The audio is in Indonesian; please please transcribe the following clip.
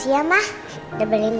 tapi penyesalan kamu benar benar terlambat